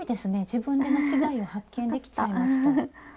自分で間違えを発見できちゃいました。